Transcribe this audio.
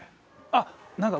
あっ！